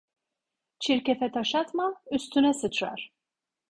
Çirkefe taş atma, üstüne sıçrar.